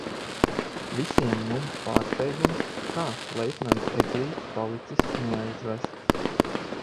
Visiem mums pārsteigums, kā leitnants Eglītis palicis neaizvests?